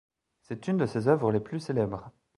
C'est une de ses œuvres les plus célèbres.